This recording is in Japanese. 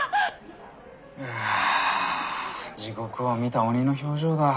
わあ地獄を見た鬼の表情だ。